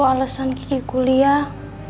salah satu alasan kiki kuliah